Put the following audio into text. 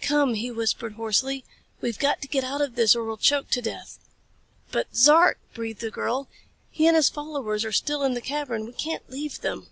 "Come," he whispered, hoarsely. "We've got to get out of this or we'll choke to death." "But Zark," breathed the girl, "He and his followers are still in the cavern. We can't leave them."